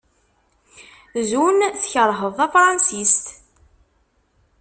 Zun tkerheḍ tanfransist?